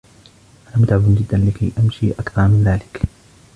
انا متعب جدا لكي امشي اكثر من ذلك.